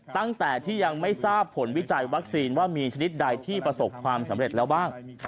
ตั้งแต่ที่ยังไม่ทราบผลวิจัยวัคซีนว่ามีชนิดใดที่ประสบความสำเร็จแล้วบ้าง